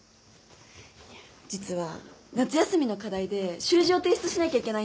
実は夏休みの課題で習字を提出しなきゃいけないんだ。